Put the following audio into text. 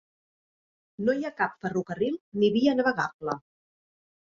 No hi ha cap ferrocarril ni via navegable.